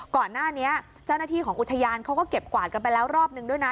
ก่อนหน้านี้เจ้าหน้าที่ของอุทยานเขาก็เก็บกวาดกันไปแล้วรอบนึงด้วยนะ